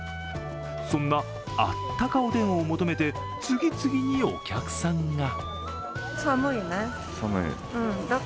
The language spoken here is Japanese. そんなあったかおでんを求めて次々にお客さんが。